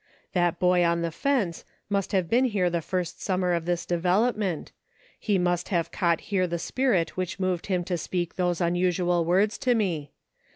That boy on the fence, must have been here the finst summer of this development ; he must have caught here the spirit which moved him to speak those unusual words to me.